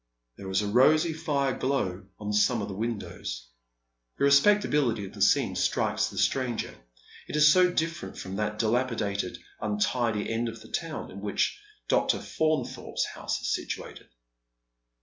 There is a rosy fire glow on some of the windows. The respectability of the scene strikes the stranger. It is so different from that dilapidated, untidy end of the town in which Dr. Faunthorpe's house is situated.